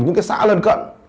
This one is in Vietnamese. những cái xã lân cận